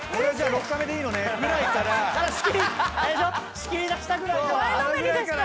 仕切りだしたぐらいから。